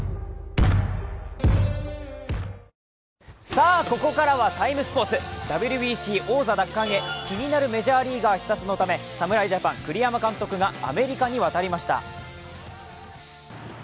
さあ、ここからは「ＴＩＭＥ，スポーツ」ＷＢＣ王座奪還へ気になるメジャーリーガー視察のため侍ジャパン、クリマや監督がアメリカに渡りました。